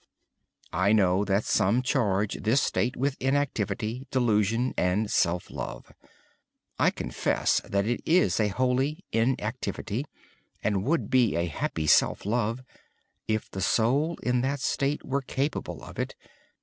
I know that some charge this state with inactivity, delusion, and self love. I confess that it is a holy inactivity. And it would be a happy self love if the soul, in that state, were capable of it.